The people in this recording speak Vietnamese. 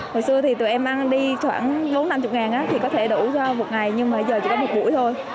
hồi xưa tụi em ăn đi khoảng bốn năm mươi ngàn thì có thể đủ cho một ngày nhưng giờ chỉ có một buổi thôi